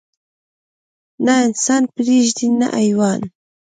نه انسان پرېږدي نه حيوان.